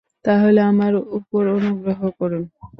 তাহলে আমার উপর অনুগ্রহ করুন।